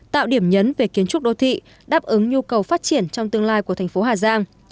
tạo điểm nhấn về kiến trúc đô thị đáp ứng nhu cầu phát triển trong tương lai của thành phố hà giang